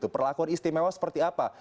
perlakuan istimewa seperti apa